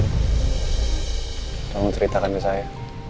tolong ceritakan ke saya